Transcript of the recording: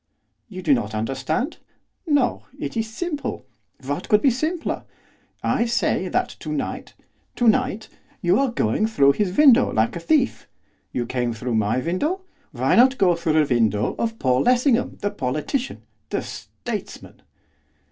'You do not understand? no! it is simple! what could be simpler? I say that to night to night! you are going through his window like a thief. You came through my window, why not through the window of Paul Lessingham, the politician the statesman.